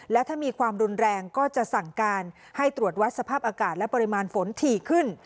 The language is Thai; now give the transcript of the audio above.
และถ้ามีความรุนแรงก็จะสั่งการให้ตรวจวัดสภาพอากาศและปริมาณฝนถี่ขึ้น